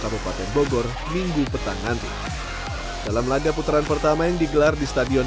kabupaten bogor minggu petang nanti dalam laga putaran pertama yang digelar di stadion